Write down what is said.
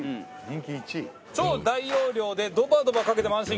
超大容量でドバドバかけても安心！